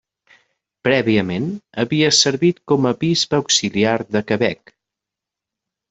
Prèviament havia servit com a bisbe auxiliar de Quebec.